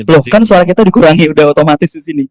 loh kan suara kita dikurangi udah otomatis di sini